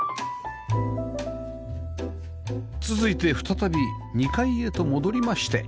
続いて再び２階へと戻りまして